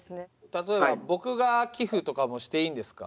例えば僕が寄付とかもしていいんですか？